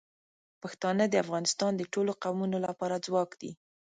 پښتانه د افغانستان د ټولو قومونو لپاره ځواک دي.